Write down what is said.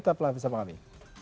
tetap live bersama kami